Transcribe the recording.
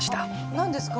何ですか？